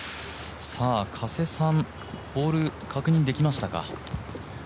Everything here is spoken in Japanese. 加瀬さん、ボール確認できましたか？